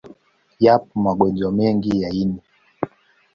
Yapo magonjwa mengi ya ini.